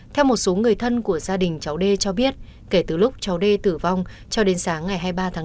theo một số người thân của gia đình cháu d cho biết kể từ lúc cháu d tử vong cho đến sáng ngày hai mươi ba